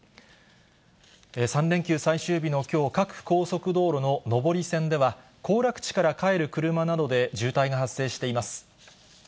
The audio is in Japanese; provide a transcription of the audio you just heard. ３連休最終日のきょう、各高速道路の上り線では、行楽地から帰る車などで渋滞が発生しています。